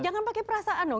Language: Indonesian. jangan pakai perasaan dong